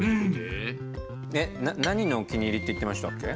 えっ何のお気に入りって言ってましたっけ？